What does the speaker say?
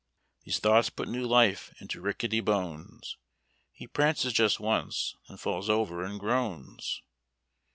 ' These thoughts put new life into rickety bones — He prances just once, then falls over and groans.